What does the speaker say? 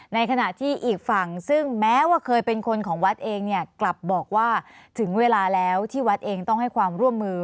ในขณะที่อีกฝั่งซึ่งแม้ว่าเคยเป็นคนของวัดเองเนี่ยกลับบอกว่าถึงเวลาแล้วที่วัดเองต้องให้ความร่วมมือ